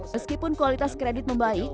meskipun kualitas kredit membaik